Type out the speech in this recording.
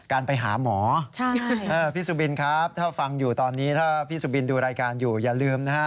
การไปหาหมอพี่สุบินครับถ้าฟังอยู่ตอนนี้ถ้าพี่สุบินดูรายการอยู่อย่าลืมนะฮะ